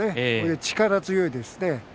力が強いですね。